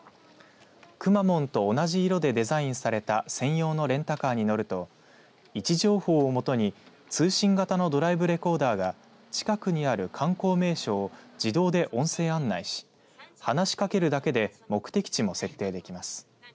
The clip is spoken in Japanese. くまモンと同じ色でデザインされた専用のレンタカーに乗ると位置情報を基に通信型のドライブレコーダーが近くにある観光名所を自動で音声案内し話しかけるだけで目的地も設定できます。